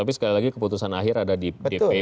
tapi sekali lagi keputusan akhir ada di dpp